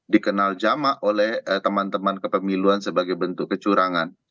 dikenal jamak oleh teman teman kepemiluan sebagai bentuk kecurangan